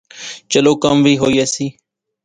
چلو کم وی ہوئی ایسی